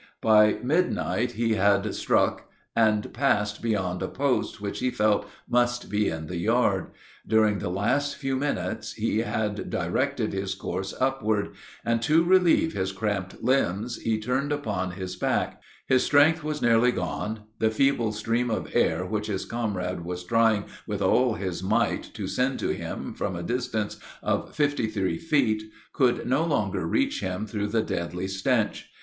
By midnight he had struck and passed beyond a post which he felt must be in the yard. During the last few minutes he had directed his course upward, and to relieve his cramped limbs he turned upon his back. His strength was nearly gone; the feeble stream of air which his comrade was trying, with all his might, to send to him from a distance of fifty three feet could no longer reach him through the deadly stench.